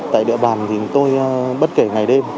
tại địa bàn thì tôi bất kể ngày đêm